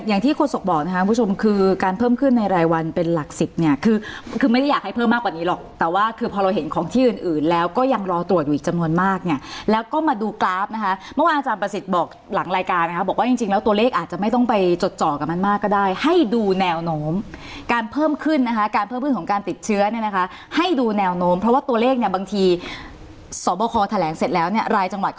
อย่างที่โคสกบอกนะคะคุณผู้ชมคือการเพิ่มขึ้นในรายวันเป็นหลักศิษย์เนี่ยคือไม่ได้อยากให้เพิ่มมากกว่านี้หรอกแต่ว่าคือพอเราเห็นของที่อื่นแล้วก็ยังรอตรวจอยู่อีกจำนวนมากเนี่ยแล้วก็มาดูกราฟนะคะเมื่อวานอาจารย์ประสิทธิ์บอกหลังรายการบอกว่าจริงแล้วตัวเลขอาจจะไม่ต้องไปจดเจอกับมันมากก็ได้ให